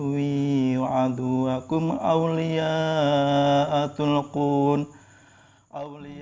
sebenarnya agama kita itu bakal menjadi perjalanan dalam masa lain